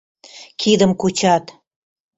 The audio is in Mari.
Кидым кучат.